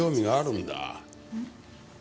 うん？